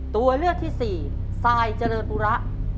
ตัวเลือกที่สี่ทรายเจริญปุระ